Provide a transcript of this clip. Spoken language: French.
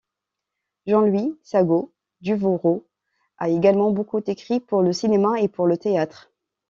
Jean-Louis Sagot-Duvauroux a également beaucoup écrit pour le cinéma et pour le théâtre.